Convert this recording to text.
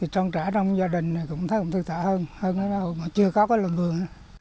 trong gia đình này cũng thấy cũng tự tạo hơn hơn ở đâu mà chưa có cái lồng vườn